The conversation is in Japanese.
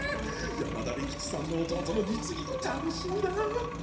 山田利吉さんの弟のじつぎ楽しみだあ！